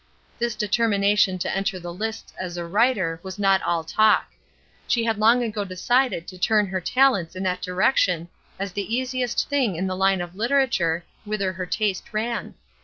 This determination to enter the lists as a writer was not all talk. She had long ago decided to turn her talents in that direction as the easiest thing in the line of literature, whither her taste ran.